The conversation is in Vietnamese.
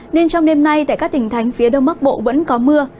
nên trong đêm nay tại các tỉnh thành phía đông bắc bộ vẫn có mưa